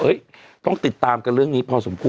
ต้องติดตามกันเรื่องนี้พอสมควร